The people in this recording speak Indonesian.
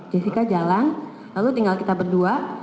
jessica jalan lalu tinggal kita berdua